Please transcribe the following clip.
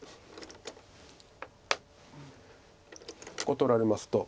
ここ取られますと。